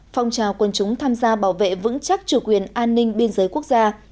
phong trào quân chúng tham gia bảo vệ vững chắc chủ quyền an ninh biên giới quốc gia